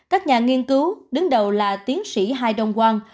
các nhà nghiên cứu đứng đầu là tiến sĩ hai đông quang